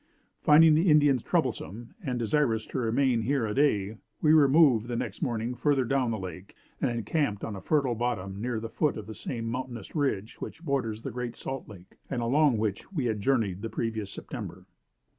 Finding the Indians troublesome, and desirous to remain here a day, we removed the next morning further down the lake, and encamped on a fertile bottom near the foot of the same mountainous ridge which borders the Great Salt Lake, and along which we had journeyed the previous September.